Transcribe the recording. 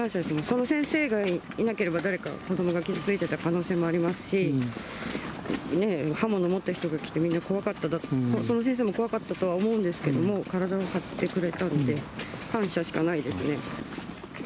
その先生がいなければ、誰か子どもが傷ついてた可能性もありますし、刃物を持った人が来て、みんな怖かっただろうし、その先生も怖かったとは思うんですけれども、体を張ってくれたので、感謝しかないですね。